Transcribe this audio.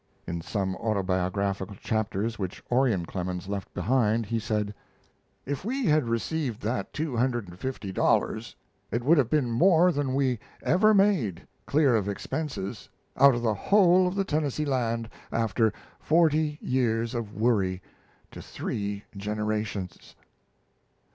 In some autobiographical chapters which Orion Clemens left behind he said: "If we had received that two hundred and fifty dollars, it would have been more than we ever made, clear of expenses, out of the whole of the Tennessee land, after forty years of worry to three generations."